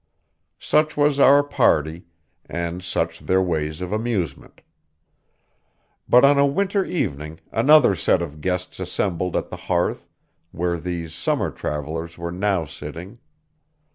Such was our party, and such their ways of amusement. But on a winter evening another set of guests assembled at the hearth where these summer travellers were now sitting.